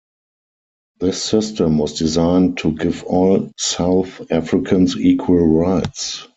This system was designed to give all South Africans equal rights.